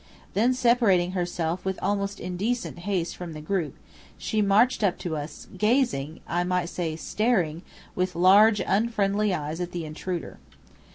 Then, separating herself with almost indecent haste from the group, she marched up to us, gazing I might say, staring with large unfriendly eyes at the intruder.